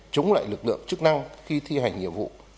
chống lại lực lượng chức năng khi thi hành nhiệm vụ